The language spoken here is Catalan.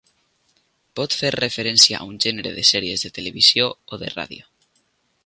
Pot fer referència a un gènere de sèries de televisió o de ràdio.